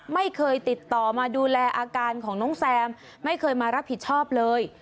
ไม่เคยติดต่อมาดูแลอาการของน้องแซมไม่เคยมารับผิดชอบเลย